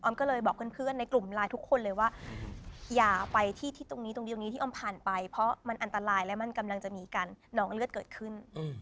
ก็เลยบอกเพื่อนในกลุ่มไลน์ทุกคนเลยว่าอย่าไปที่ตรงนี้ตรงเดียวนี้ที่ออมผ่านไปเพราะมันอันตรายและมันกำลังจะมีการน้องเลือดเกิดขึ้น